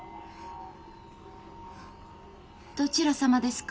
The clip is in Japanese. どちら様ですか？